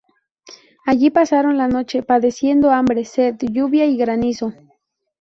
Allí pasaron la noche, padeciendo hambre, sed, lluvia y granizo.